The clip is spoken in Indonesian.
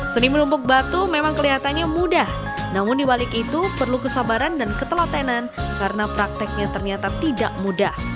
seni menumpuk batu memang kelihatannya mudah namun dibalik itu perlu kesabaran dan ketelatenan karena prakteknya ternyata tidak mudah